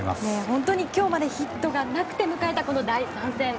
本当に今日までヒットがなくて迎えたこの第３戦。